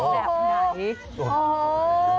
แบบไหน